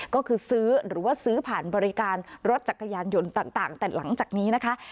ก็คือซื้อหรือว่าซื้อผ่านบริการรถจักรยานยนต์ต่างแต่หลังจากนี้นะคะ